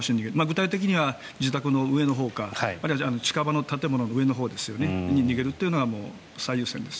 具体的には自宅の上のほうか近場の建物の上のほうに逃げるというのは最優先です。